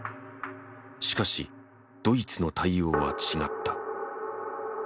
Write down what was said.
しかしドイツの対応は違った。